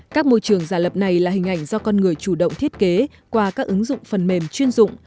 các môi trường giả lập này là hình ảnh do con người chủ động thiết kế qua các ứng dụng phần mềm chuyên dụng